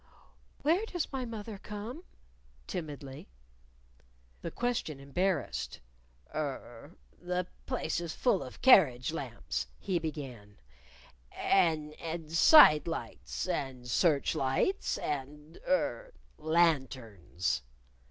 "Where does my moth er come?" timidly. The question embarrassed. "Er the place is full of carriage lamps," he began; "and and side lights, and search lights, and er lanterns."